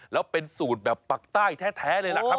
แล้วปักใต้แทเลยนะครับคุณผู้ชมครับ